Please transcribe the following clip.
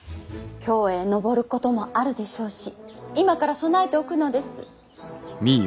京へ上ることもあるでしょうし今から備えておくのです。